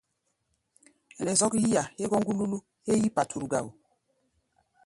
Ɛnɛ zɔ́k yí-a hégɔ́ ŋgúlúlú héé yí-paturu gá wo.